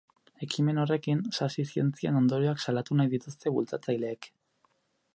Ekimen horrekin, sasi zientzien ondorioak salatu nahi dituzte bultzatzaileek.